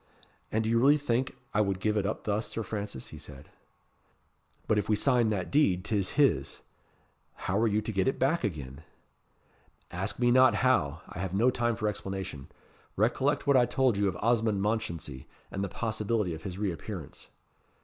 "And do you really think I would give it up thus, Sir Francis?" he said. "But if we sign that deed 'tis his. How are you to get it back again?" "Ask me not how I have no time for explanation. Recollect what I told you of Osmond Mounchensey, and the possibility of his re appearance."